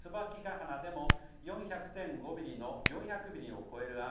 鼻でも４００．５ミリの４００ミリを超える雨